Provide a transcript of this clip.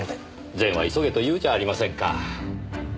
「善は急げ」と言うじゃありませんか。